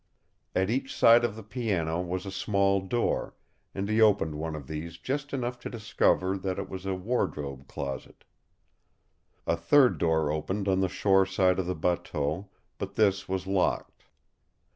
At each side of the piano was a small door, and he opened one of these just enough to discover that it was a wardrobe closet. A third door opened on the shore side of the bateau, but this was locked.